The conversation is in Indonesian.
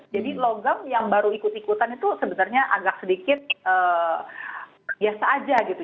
jadi logam yang baru ikut ikutan itu sebenarnya agak sedikit biasa aja gitu